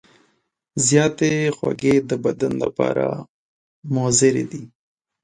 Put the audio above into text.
زیاتې خوږې د بدن لپاره مضرې دي.